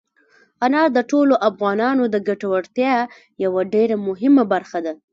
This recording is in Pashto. انار د ټولو افغانانو د ګټورتیا یوه ډېره مهمه برخه ده.